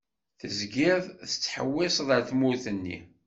Tezgiḍ tettḥewwiseḍ ar tmurt-nni.